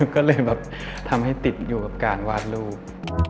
ก็เลยแบบทำให้ติดอยู่กับการวาดรูป